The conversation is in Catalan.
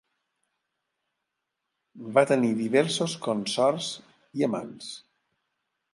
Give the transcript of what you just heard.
Va tenir diversos consorts i amants.